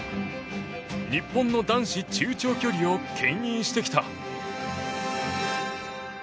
日本の男子中長距離を牽引してきた。